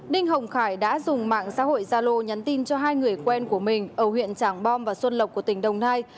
đinh hồng khải đã dùng mạng xã hội zalo nhắn tin cho hai người quen của mình ở huyện tràng bom và xuân lộc của tỉnh đồng nai